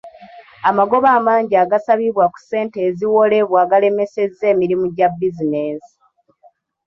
Amagoba amangi agasabibwa ku ssente eziwolebwa galemesezza emirimu gya bizinensi.